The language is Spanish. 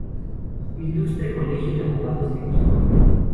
Ilustre Colegio de Abogados de Gijón.